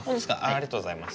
ありがとうございます。